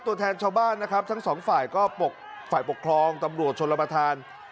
ตัวแทนชาวบ้านนะครับทั้งสองฝ่ายก็ปกฝ่ายปกครองตำรวจชนรับประทาน